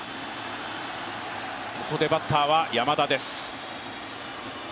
ここでバッターは山田です。